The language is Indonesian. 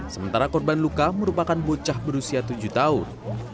sementara korban luka merupakan bocah berusia tujuh tahun